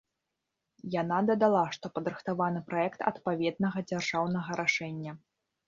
Яна дадала, што падрыхтаваны праект адпаведнага дзяржаўнага рашэння.